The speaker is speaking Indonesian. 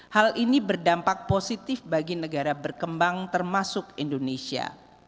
hal ini berdampak positif bagi negara berkembang termasuk indonesia